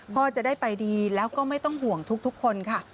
พ่อจะได้ไปดีแล้วก็ไม่ต้องห่วงทุกคนค่ะ